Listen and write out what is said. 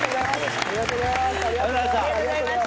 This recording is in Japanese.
ありがとうございます。